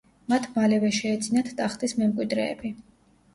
მათ მალევე შეეძინათ ტახტის მემკვიდრეები.